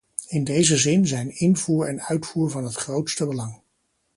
In deze zin zijn invoer en uitvoer van het grootste belang.